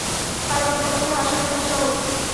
কারণ, তোমাকে হাসানোটা সহজ!